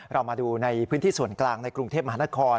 เรามาดูในพื้นที่ส่วนกลางในกรุงเทพมหานคร